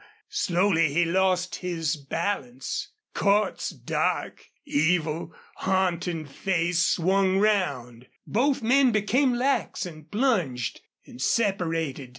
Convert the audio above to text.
Slowly he lost his balance. Cordts's dark, evil, haunting face swung round. Both men became lax and plunged, and separated.